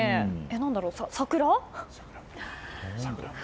何だろう、桜？